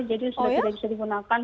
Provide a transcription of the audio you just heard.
jadi sudah tidak bisa digunakan